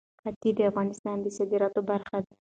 ښتې د افغانستان د صادراتو برخه ده.